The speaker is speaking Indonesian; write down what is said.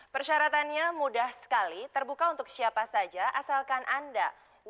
persyaratannya mudah sekali terbuka untuk siapa saja asalkan anda